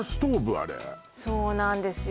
あれそうなんですよ